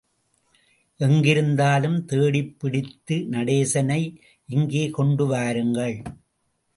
எங்கிருந்தாலும் தேடிப்பிடித்து நடேசனை இங்கே கொண்டு வாருங்கள்.